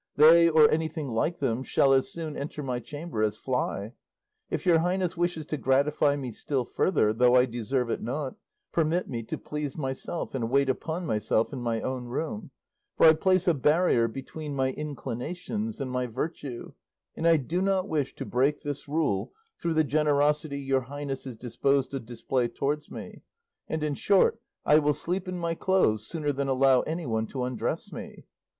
They, or anything like them, shall as soon enter my chamber as fly. If your highness wishes to gratify me still further, though I deserve it not, permit me to please myself, and wait upon myself in my own room; for I place a barrier between my inclinations and my virtue, and I do not wish to break this rule through the generosity your highness is disposed to display towards me; and, in short, I will sleep in my clothes, sooner than allow anyone to undress me."